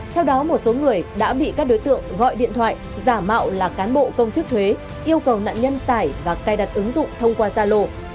theo đó một số người đã bị các đối tượng gọi điện thoại giả mạo là cán bộ công chức thuế yêu cầu nạn nhân tải và cài đặt ứng dụng thông qua gia lô